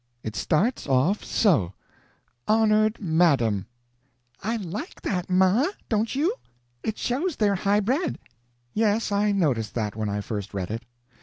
It starts off so: 'HONORED MADAM' " "I like that, ma, don't you? It shows they're high bred." "Yes, I noticed that when I first read it.